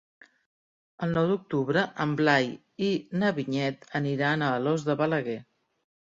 El nou d'octubre en Blai i na Vinyet aniran a Alòs de Balaguer.